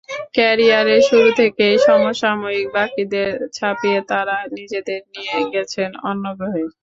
ক্যারিয়ারের শুরু থেকেই সমসাময়িক বাকিদের ছাপিয়ে তাঁরা নিজেদের নিয়ে গেছেন অন্যগ্রহে।